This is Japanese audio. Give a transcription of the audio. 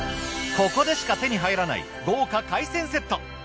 ここでしか手に入らない豪華海鮮セット。